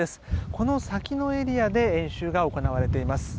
この先のエリアで演習が行われています。